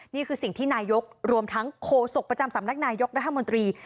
นี่คือสิ่งที่นายกรวมทั้งโคศกประจำสำนักนายยกรัฐมนตรี